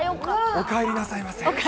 お帰りなさいませ。